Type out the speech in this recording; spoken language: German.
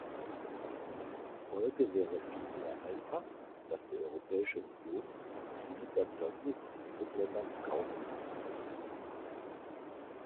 Folge wäre vielmehr einfach, dass die Europäische Union dieses Erzeugnis in Drittländern kaufen müsste.